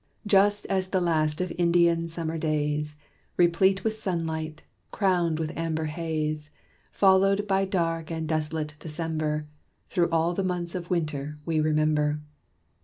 Just as the last of Indian summer days, Replete with sunlight, crowned with amber haze, Followed by dark and desolate December, Through all the months of winter we remember.